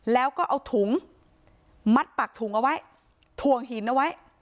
แล้วก็เอาถุงมัดปากถุงเอาไว้ถ่วงหินเอาไว้